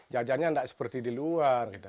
jajannya tidak seperti di luar gitu